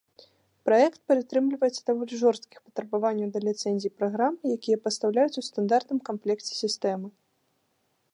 Праект прытрымліваецца даволі жорсткіх патрабаванняў да ліцэнзій праграм, якія пастаўляюцца ў стандартным камплекце сістэмы.